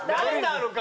あの顔。